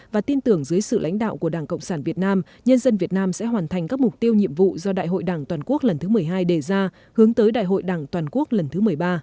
và tin tưởng dưới sự lãnh đạo của đảng cộng sản việt nam nhân dân việt nam sẽ hoàn thành các mục tiêu nhiệm vụ do đại hội đảng toàn quốc lần thứ một mươi hai đề ra hướng tới đại hội đảng toàn quốc lần thứ một mươi ba